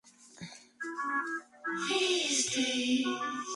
Es una tortuga de tamaño medio que vive en agua dulce.